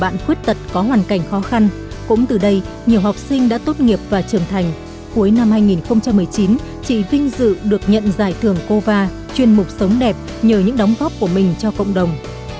nhờ học sinh đã tốt nghiệp và trưởng thành cuối năm hai nghìn một mươi chín chị vinh dự được nhận giải thưởng cova chuyên mục sống đẹp nhờ những đóng góp của mình cho cộng đồng